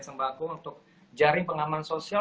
sembako untuk jaring pengaman sosial